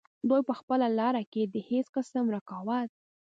دوي پۀ خپله لاره کښې د هيڅ قسم رکاوټ